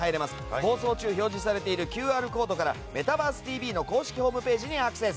放送中表示されているＱＲコードから「メタバースＴＶ！！」の公式ホームページにアクセス。